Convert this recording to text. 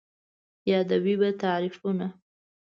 یادوې به تعريفونه